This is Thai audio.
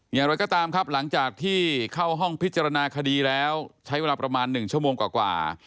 อย่างไรก็ตามครับหลังจากที่เข้าห้องพิจารณาคดีแล้วใช้เวลาประมาณ๑ชั่วโมงกว่า